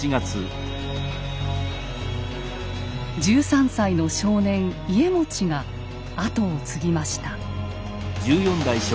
１３歳の少年家茂が跡を継ぎました。